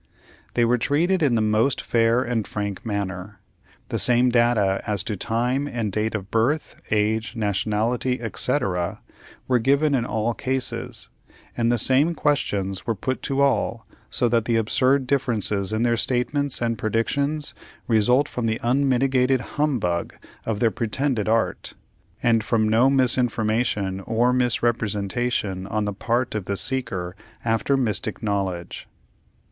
They were treated in the most fair and frank manner; the same data as to time and date of birth, age, nationality, etc., were given in all cases, and the same questions were put to all, so that the absurd differences in their statements and predictions result from the unmitigated humbug of their pretended art, and from no misinformation or misrepresentation on the part of the seeker after mystic knowledge.